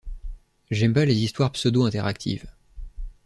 J’aime pas les histoires pseudo-interactives.